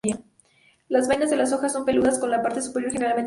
Las vainas de las hojas son peludas, con la parte superior generalmente sin pelo.